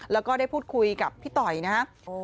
แล้วก็ได้พูดคุยกับพี่ต่อยนะครับ